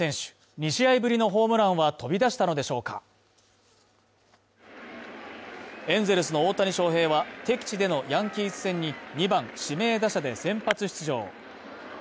２試合ぶりのホームランは飛び出したのでしょうかエンゼルスの大谷翔平は敵地でのヤンキース戦に２番指名打者で先発出場。